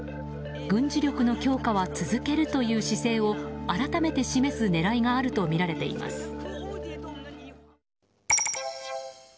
軍事力の強化は続けるという姿勢を改めて示す狙いがあるとみられています。